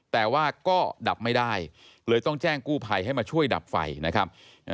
แต่ว่าก็ดับไม่ได้เลยต้องแจ้งกู้ภัยให้มาช่วยดับไฟนะครับ